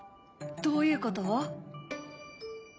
どういうこと？